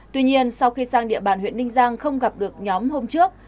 tuy nhiên sau khi sang địa bàn huyện ninh giang không gặp được nhóm hôm trước